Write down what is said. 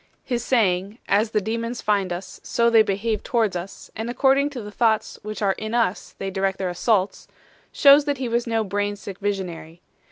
His saying "As the demons find us, so they behave towards us, and according to the thoughts which are in us they direct their assaults" shows that he was no brain sick visionary.